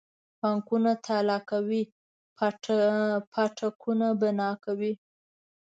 بانکونه تالا کوي پاټکونه بنا کوي.